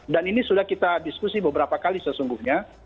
dan ini sudah kita diskusi beberapa kali sesungguhnya